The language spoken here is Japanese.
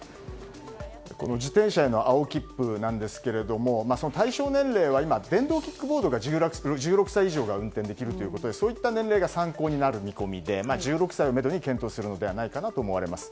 自転車への青切符ですが対象年齢は電動キックボードが１６歳以上が運転できるということでそういった年齢が参考になる見込みで１６歳をめどに検討するのではないかとみられます。